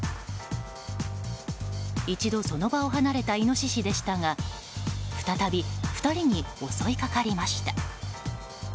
一度その場を離れたイノシシでしたが再び、２人に襲いかかりました。